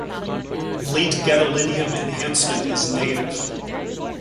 Late gadolinium enhancement is negative.